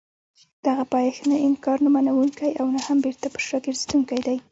دغه پایښت نه انکار نه منونکی او نه هم بېرته پر شا ګرځېدونکی دی.